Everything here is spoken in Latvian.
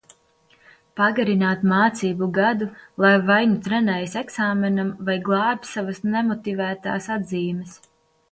Pagarināt mācību gadu, lai vai nu trenējas eksāmenam, vai glābj savas nemotivētās atzīmes.